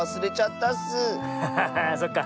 ハハハハーそっか。